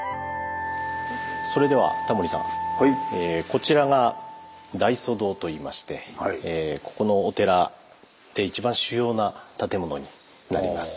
こちらが大祖堂といいましてここのお寺で一番主要な建物になります。